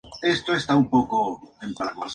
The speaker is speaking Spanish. Disfrutó de gran fama tanto en España como en Francia.